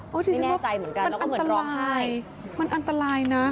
ไม่แน่ใจเหมือนกันแล้วก็เหมือนร้องไห้มันอันตรายนะ